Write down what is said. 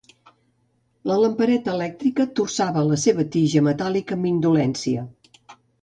La lampareta elèctrica torçava la seva tija metàl·lica amb indolència.